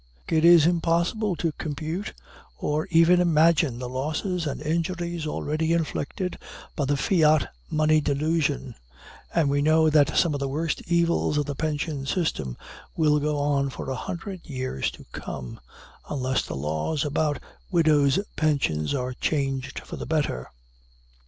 It is impossible to compute or even imagine the losses and injuries already inflicted by the fiat money delusion; and we know that some of the worst evils of the pension system will go on for a hundred years to come, unless the laws about widows' pensions are changed for the better.